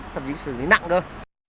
thậm chí xử lý nặng thôi